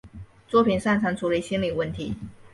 作品擅长处理心理问题。